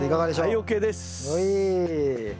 はいＯＫです。